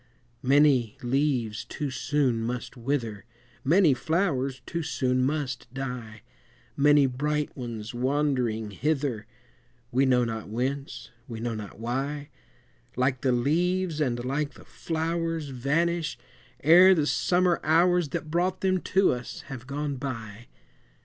Many leaves too soon must wither, Many flowers too soon must die, Many bright ones wandering hither, We know not whence, we know not why, Like the leaves and like the flowers, Vanish, ere the summer hours, That brought them to us, have gone by.